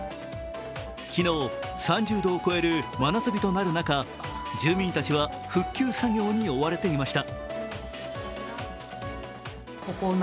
昨日、３０度を超える真夏日となる中住民たちは復旧作業に追われていました。